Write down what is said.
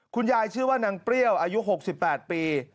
ชื่อว่านางเปรี้ยวอายุ๖๘ปี